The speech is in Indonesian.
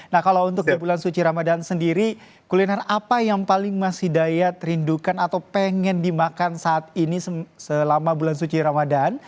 nah kalau untuk di bulan suci ramadan sendiri kuliner apa yang paling mas hidayat rindukan atau pengen dimakan saat ini selama bulan suci ramadan